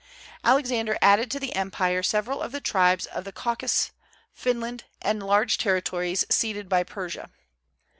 Alexander added to the empire several of the tribes of the Caucasus, Finland, and large territories ceded by Persia.